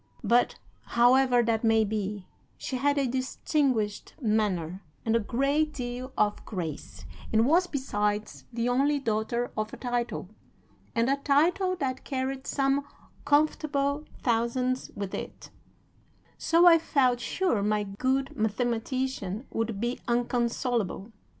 But, however that may be, she had a distinguished manner and a great deal of grace, and was, besides, the only daughter of a title, and a title that carried some comfortable thousands with it; so I felt sure my good mathematician would be inconsolable.